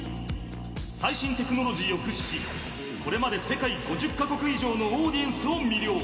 最新テクノロジーを駆使しこれまで世界５０カ国以上のオーディエンスを魅了。